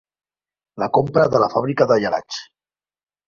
La compra de la fàbrica de gelats.